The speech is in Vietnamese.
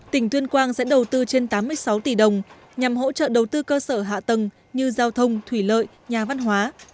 tỉnh tuyên quang sẽ đầu tư trên tám mươi sáu tỷ đồng nhằm hỗ trợ đầu tư cơ sở hạ tầng như giao thông thủy lợi nhà văn hóa